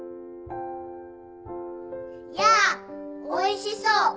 やあおいしそう。